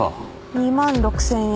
２万６，０００円。